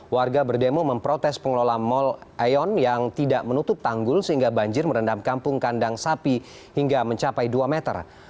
warga berdemo memprotes pengelola mall aeon yang tidak menutup tanggul sehingga banjir merendam kampung kandang sapi hingga mencapai dua meter